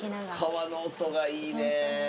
川の音がいいね。